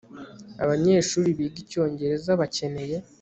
abanyeshuri biga icyongereza bakeneye